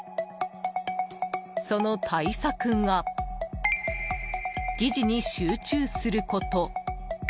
その対策が議事に集中すること。